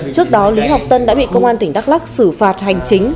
trước đó lý ngọc tân đã bị công an tỉnh đắk lắc xử phạt hành chính